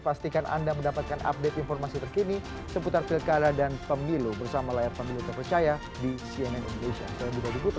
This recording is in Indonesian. pastikan anda mendapatkan update informasi terkini seputar pilkada dan pemilu bersama layar pemilu terpercaya di cnn indonesia